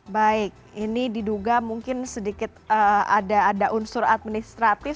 baik ini diduga mungkin sedikit ada unsur administratif